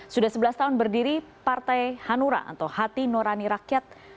sudah sebelas tahun berdiri partai hanura atau hati nurani rakyat